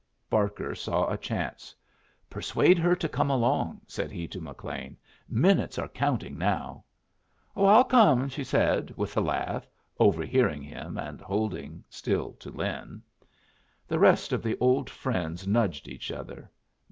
Barker saw a chance. "Persuade her to come along," said he to McLean. "Minutes are counting now." "Oh, I'll come," she said, with a laugh, overhearing him, and holding still to Lin. The rest of the old friends nudged each other.